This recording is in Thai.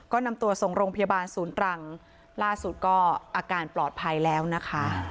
ก็นำตัวส่งโรงพยาบาลศูนย์ตรังล่าสุดก็อาการปลอดภัยแล้วนะคะ